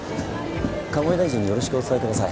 鴨井大臣によろしくお伝えください